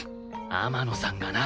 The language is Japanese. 天野さんがな。